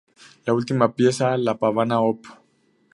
La última pieza, la Pavana Op.